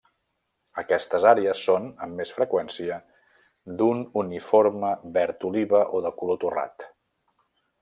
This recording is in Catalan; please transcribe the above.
Aquestes àrees són, amb més freqüència, d'un uniforme verd oliva o de color torrat.